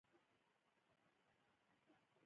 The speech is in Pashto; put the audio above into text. په دې څو کلونو چې زه کلي ته نه وم تللى.